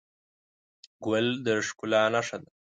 ګل د ښکلا نښه ده.